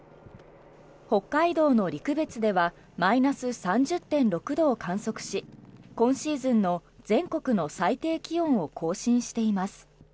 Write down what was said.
北海道の陸別ではマイナス３０．６度を観測し今シーズンの全国の最低気温を更新しています。